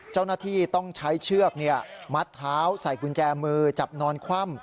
เจ้าหน้าที่ต้องใช้เชือกมัดเท้าใส่กุญแจมือจับนอนคว่ำ